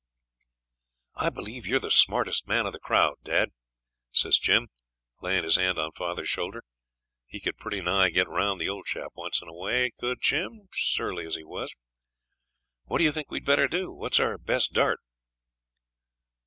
'I believe you're the smartest man of the crowd, dad,' says Jim, laying his hand on father's shoulder. He could pretty nigh get round the old chap once in a way, could Jim, surly as he was. 'What do you think we'd better do? What's our best dart?'